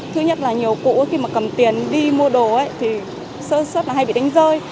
thứ nhất là nhiều cụ khi mà cầm tiền đi mua đồ thì sớt sớt là hay bị đánh rơi